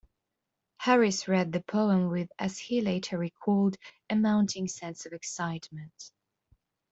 Harris read the poems with, as he later recalled, a mounting sense of excitement.